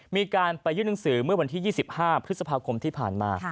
มีการไปยื่นหนังสือเมื่อวันที่๒๕พฤษภาคมที่ผ่านมา